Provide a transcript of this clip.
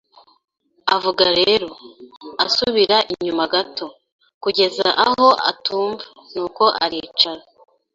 Avuga rero, asubira inyuma gato, kugeza aho atumva, nuko aricara